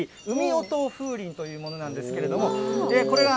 おと風鈴というものなんですけれども、これが